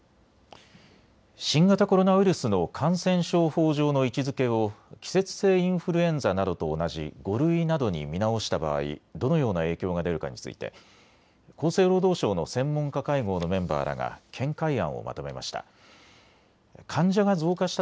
新型コロナウイルスの感染症法上の位置づけを季節性インフルエンザなどと同じ５類などに見直した場合、どのような影響が出るかについて厚生労働省の専門家会合のメンバーらが見解案をまとめました。